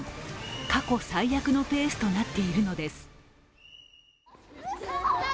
過去最悪のペースとなっているのです。